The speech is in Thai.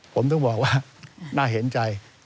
ผมถึงบอกว่าน่าเห็นใจ